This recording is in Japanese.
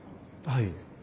はい。